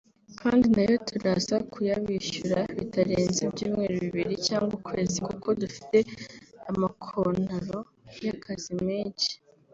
Kandi na yo turaza kuyabishyura bitarenze ibyumweru bibiri cyangwa ukwezi kuko dufite amakontaro y’akazi menshi